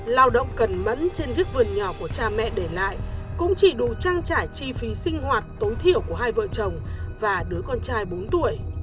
lao động cần mẫn trên viết vườn nhỏ của cha mẹ để lại cũng chỉ đủ trang trải chi phí sinh hoạt tối thiểu của hai vợ chồng và đứa con trai bốn tuổi